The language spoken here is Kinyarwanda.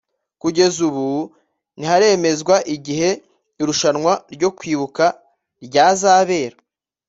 kugeza ubu ntiharemezwa igihe irushanwa ryo kwibuka ryazabera